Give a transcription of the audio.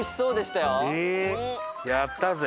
やったぜ！